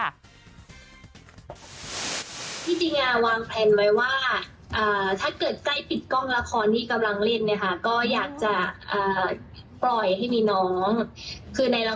จริงวางแผนไว้ว่า